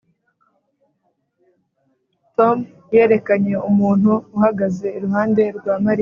tom yerekanye umuntu uhagaze iruhande rwa mariya.